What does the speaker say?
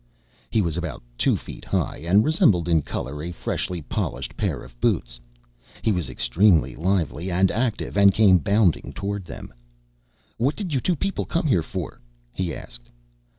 He was about two feet high, and resembled in color a freshly polished pair of boots. He was extremely lively and active, and came bounding toward them. "What did you two people come here for?" he asked.